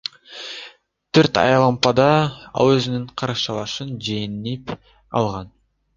Төрт айлампада ал өзүнүн каршылашын жеңип алган.